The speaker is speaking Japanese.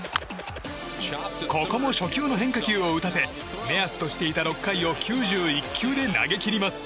ここも初球の変化球を打たせ目安としていた６回を９１球で投げ切ります。